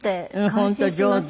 本当上手。